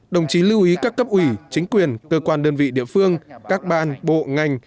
đồng chí lưu ý các cấp ủy chính quyền cơ quan đơn vị địa phương các ban bộ ngành